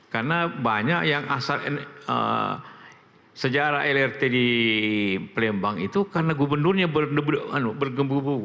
karena banyak yang asal sejarah lrt di pelembang itu karena gubernurnya bergembubu